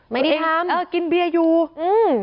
ไม่ได้ทำเออกินเบียร์อยู่อืม